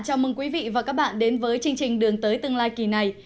chào mừng quý vị và các bạn đến với chương trình đường tới tương lai kỳ này